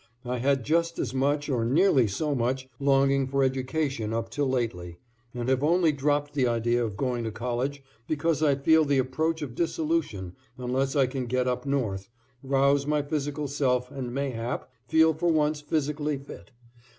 I had just as much, or nearly so much, longing for education up till lately, and have only dropped the idea of going to college because I feel the approach of dissolution unless I can get up north, rouse my physical self and mayhap feel for once physically fit.